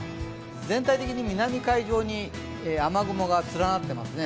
全体的に南海上に雨雲が連なってますね。